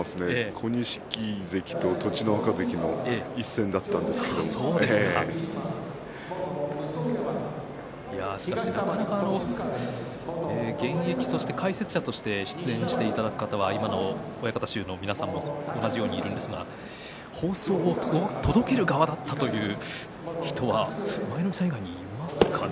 小錦関と栃乃和歌関のなかなか現役そして解説者として出演していただく方は今の親方衆の皆さんも同じようにですが放送を届ける側だったというのはそういう人は舞の海さん以外にいますかね。